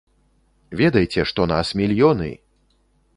Ведайце, што нас мільёны!